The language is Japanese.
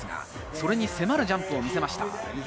それに迫るジャンプを見せました。